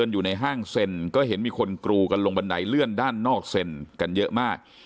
อยู่ในห้างเซ็นก็เห็นมีคนกรูกันลงบันไดเลื่อนด้านนอกเซ็นกันเยอะมาก